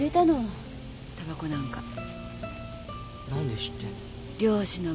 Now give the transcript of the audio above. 何で知ってんだよ？